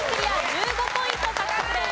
１５ポイント獲得です。